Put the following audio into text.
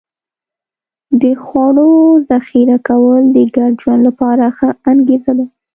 د خوړو ذخیره کول د ګډ ژوند لپاره ښه انګېزه ده.